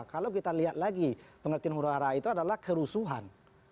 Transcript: kalau kita lihat lagi pengertian huru hara itu adalah kerusuhan